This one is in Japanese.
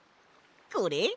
これ？